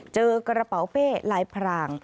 เจอกระเป๋าเป้ลายพราง